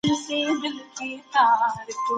اقتصاد کې هم دا حالت لیدل شوی دی.